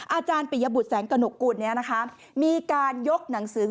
อาจารย์ปิยบุตรแสงกระหนกกุลมีการยกหนังสือ